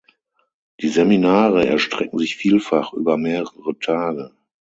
Die Seminare erstrecken sich vielfach über mehrere Tage.